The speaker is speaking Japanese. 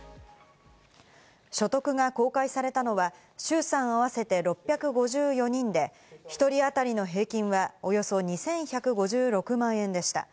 所得が公開されたのは衆参合わせて６５４人で、一人当たりの平均はおよそ２１５６万円でした。